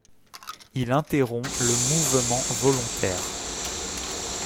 Il interrompt le mouvement volontaire.